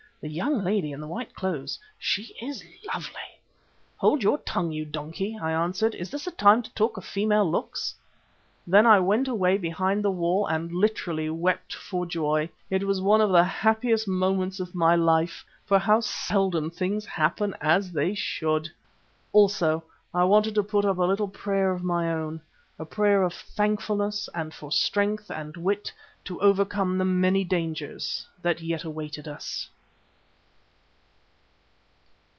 "The young lady in the white clothes. She is lovely." "Hold your tongue, you donkey!" I answered. "Is this a time to talk of female looks?" Then I went away behind the wall and literally wept for joy. It was one of the happiest moments of my life, for how seldom things happen as they should! Also I wanted to put up a little prayer of my own, a prayer of thankfulness and for strength and wit to overcome the many dangers that yet awaited us.